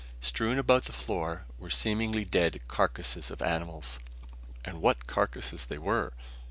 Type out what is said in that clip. Strewn about the floor were seemingly dead carcasses of animals. And what carcasses there were!